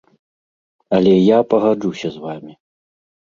Але я пагаджуся з вамі.